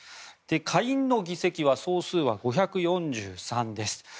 下院の議席は総数は５４３です。